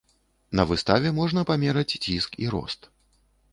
На выставе можна памераць ціск і рост.